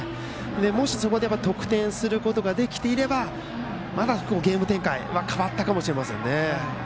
もし、そこで得点することができていればまだゲーム展開が変わったかもしれません。